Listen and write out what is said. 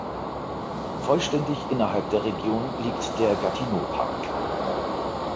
Vollständig innerhalb der Region liegt der Gatineau-Park.